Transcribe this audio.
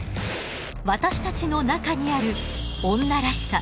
私たちの中にある女らしさ